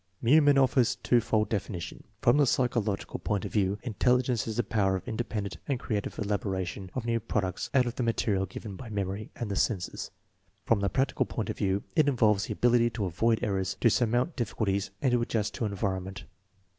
Meumann offers u twofold definition. From the psy chological point of view, intelligence is the power of in dependent and creative elaboration of new products out of the material given by memory and the senses* From the practical point of view, it involves the ability to avoid errors, to surmount difficulties, and to adjust to environ ment.